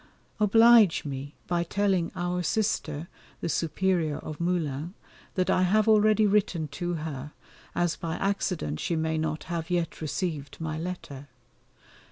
Oblige me by telling our Sister, the Superior of Moulins, that I have already written to her, as by accident she may not have yet received my letter.